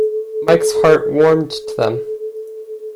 Mike's heart warmed to them.